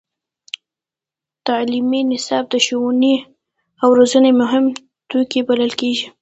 تعلیمي نصاب د ښوونې او روزنې مهم توکی بلل کېږي.